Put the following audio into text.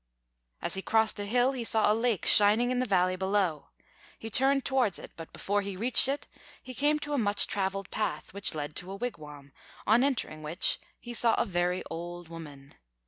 As he crossed a hill, he saw a lake shining in the valley below. He turned towards it; but before he reached it, he came to a much travelled path, which led him to a wigwam, on entering which he saw a very old woman.